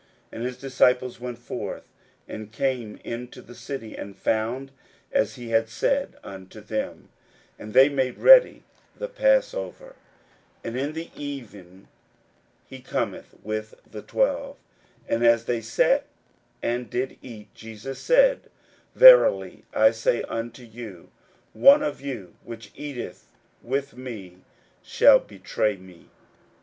41:014:016 And his disciples went forth, and came into the city, and found as he had said unto them: and they made ready the passover. 41:014:017 And in the evening he cometh with the twelve. 41:014:018 And as they sat and did eat, Jesus said, Verily I say unto you, One of you which eateth with me shall betray me.